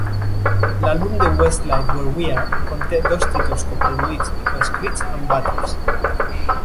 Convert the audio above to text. L'àlbum de Westlife "Where We Are" conté dos títols coproduïts i coescrits amb Watters.